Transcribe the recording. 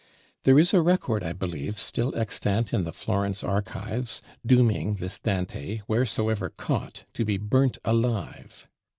There is a record, I believe, still extant in the Florence Archives, dooming this Dante, wheresoever caught, to be burnt alive.